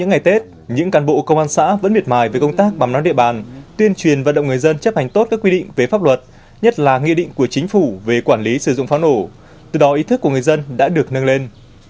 trong ngày tết những cán bộ công an xã vẫn miệt mài về công tác bám nón địa bàn tuyên truyền vận động người dân chấp hành tốt các quy định về pháp luật nhất là nghị định của chính phủ về quản lý sử dụng pháo nổ từ đó ý thức của người dân đã được nâng lên